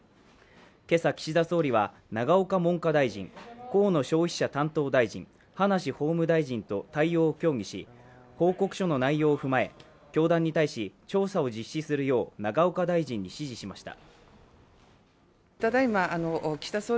今朝、岸田総理は永岡文科大臣、河野消費者担当大臣、葉梨法務大臣と対応を協議し報告書の内容を踏まえ教団に対し調査を実施するよう永岡大臣に指示しました。